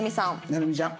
成美ちゃん！